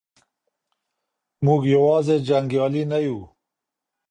موږ یوازې جنګیالي نه یو.